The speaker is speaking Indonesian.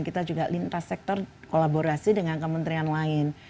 kita juga lintas sektor kolaborasi dengan kementerian lain